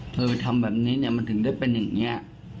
คือทำแบบนี้เนี่ยมันถึงได้เป็นอย่างนี้